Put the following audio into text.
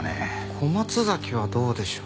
小松崎はどうでしょう？